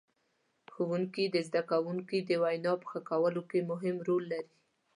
ښوونکي د زدهکوونکو د وینا په ښه کولو کې مهم رول لري.